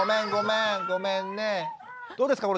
どうですか。